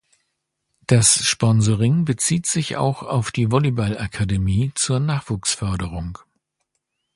Das Sponsoring bezieht sich auch auf die Volleyball-Akademie zur Nachwuchsförderung.